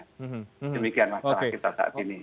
demikian masalah kita saat ini